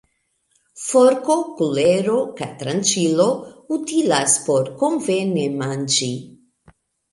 Forko, kulero kaj tranĉilo utilas por konvene manĝi.